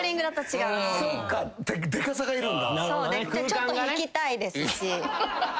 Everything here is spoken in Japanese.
ちょっと引きたいですし。